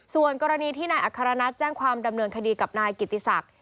ส่วนกรณีที่นายอัครนัทแจ้งความดำเนินคดีกับนายกิติศักดิ์